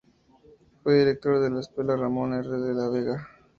Fue director de la Escuela Ramón R. De la Vega.